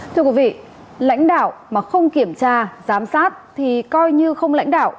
thưa quý vị lãnh đạo mà không kiểm tra giám sát thì coi như không lãnh đạo